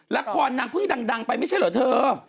ละครนางเพิ่งดังไปไม่ใช่เหรอเธอ